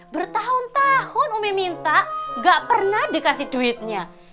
bertahun tahun umi minta gak pernah dikasih duitnya